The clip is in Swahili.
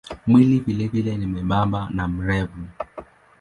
Mwili vilevile ni mwembamba na mrefu.